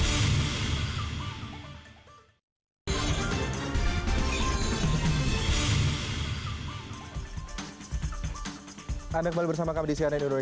kita ke bang timbul tadi saya berhenti dengan bang ibal sebahagat mengatakan bahwa buruk tidak dilibatkan dalam penyusuran draft ruu omnibus law ini sendiri